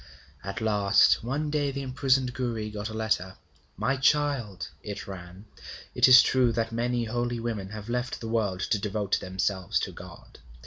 At last one day the imprisoned Gouri got a letter. 'My child,' it ran, 'it is true that many holy women have left the world to devote themselves to God.